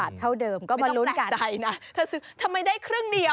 ถ้าไม่ได้ครึ่งเดียว